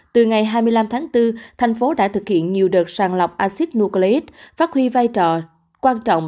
từ ngày hai mươi năm tháng bốn thành phố đã thực hiện nhiều đợt sàng lọc acid nucleic phát huy vai trò quan trọng